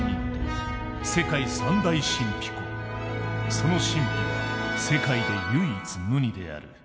その神秘は世界で唯一無二である。